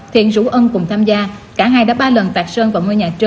thiện rủ ân cùng tham gia